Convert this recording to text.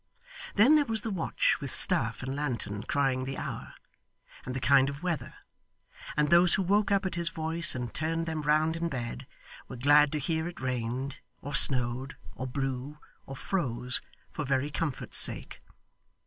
Then there was the watch with staff and lantern crying the hour, and the kind of weather; and those who woke up at his voice and turned them round in bed, were glad to hear it rained, or snowed, or blew, or froze, for very comfort's sake.